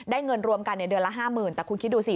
เงินรวมกันเดือนละ๕๐๐๐แต่คุณคิดดูสิ